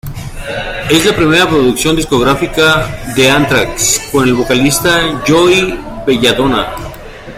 Es la primera producción discográfica de Anthrax con el vocalista Joey Belladonna.